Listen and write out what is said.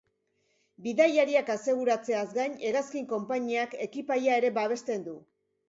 Bidaiariak aseguratzeaz gain, hegazkin konpainiak ekipaia ere babesten du.